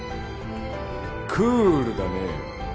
クールだねえ！